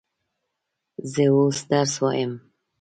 زه اوس درس وایم.